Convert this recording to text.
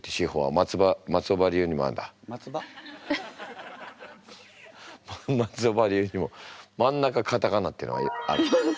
松尾葉流にもまんなかカタカナっていうのはある。